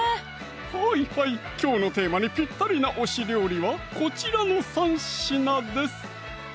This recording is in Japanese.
はいはいきょうのテーマにぴったりな推し料理はこちらの３品です